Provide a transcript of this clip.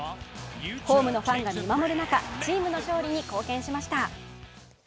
ホームのファンが見守る中、チームの勝利に貢献しました。